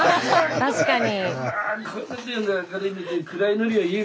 確かに。